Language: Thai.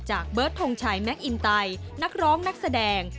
เบิร์ดทงชัยแมคอินไตนักร้องนักแสดง